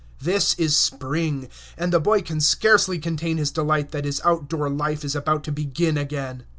This is spring, and the boy can scarcely contain his delight that his out door life is about to begin again.